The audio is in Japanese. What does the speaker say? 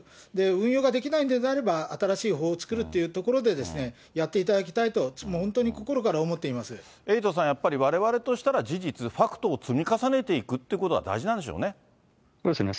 運用ができないのであれば、新しい法を作るっていうところで、やっていただきたいと、本当に心エイトさん、やっぱりわれわれとしたら事実、ファクトを積み重ねていくということが大事なんそうですね。